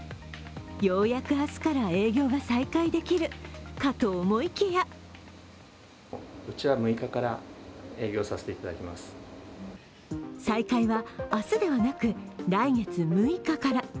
ようやく明日から営業が再開できるかと思いきや再開は明日ではなく、来月６日から。